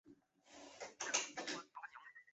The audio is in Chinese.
傍晚儿子回来了